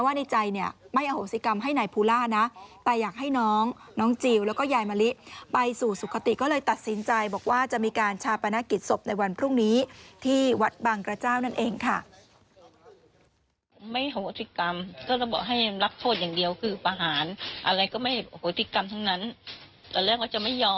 วันแรกว่าจะไม่ยอมจะให้มากราบตกกันเลย